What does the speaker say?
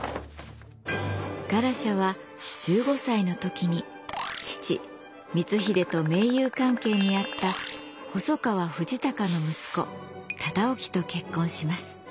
ガラシャは１５歳の時に父光秀と盟友関係にあった細川藤孝の息子忠興と結婚します。